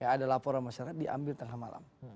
ada laporan masyarakat diambil tengah malam